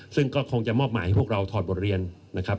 ซึ่งก็คงจะมอบหมายให้พวกเราถอดบทเรียนนะครับ